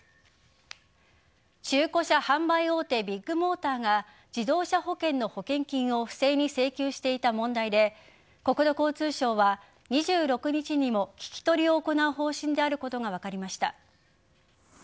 中古車販売大手ビッグモーターが自動車保険の保険金を不正に請求していた問題で国土交通省は２６日にも聞き取りを行う方針であることが分かりました。